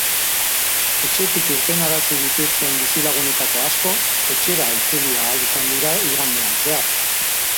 Etxetik irtenarazi dituzten bizilagunetako asko etxera itzuli ahal izan dira igandean zehar.